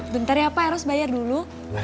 bentar ya pak harus bayar dulu